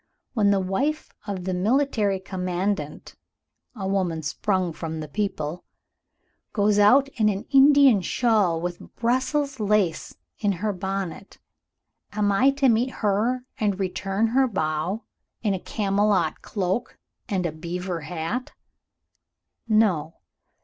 When the wife of the military commandant (a woman sprung from the people) goes out in an Indian shawl with Brussels lace in her bonnet, am I to meet her and return her bow, in a camelot cloak and a beaver hat? No!